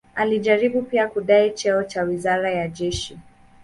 Alijaribu pia kudai cheo cha waziri wa jeshi.